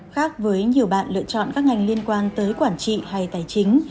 khác với nhiều bạn lựa chọn các ngành liên quan tới quản trị hay tài chính